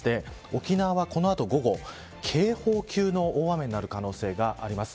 沖縄は、この後、午後警報級の大雨になる可能性があります。